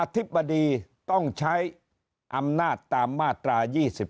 ธิบดีต้องใช้อำนาจตามมาตรา๒๔